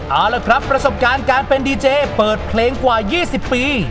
เอาละครับประสบการณ์การเป็นดีเจเปิดเพลงกว่า๒๐ปี